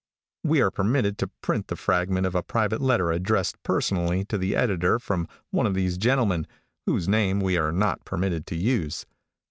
We are permitted to print the fragment of a private letter addressed personally to the editor from one of these gentlemen, whose name we are not permitted to use.